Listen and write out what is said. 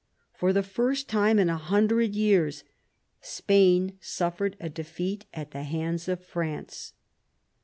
For the first time in a hundred years, Spain suffered a defeat at the hands of France.